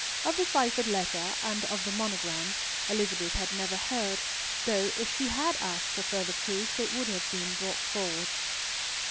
Of the ciphered letter, and of the monograms, Elizabeth had never heard, though, if she had asked for further proof, they would have been brought forward.